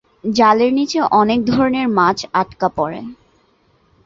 জালের নিচে অনেক ধরনের মাছ আটকা পড়ে।